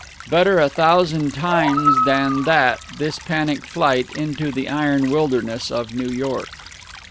Better a thousand times than that this panic flight into the iron wilderness of New York.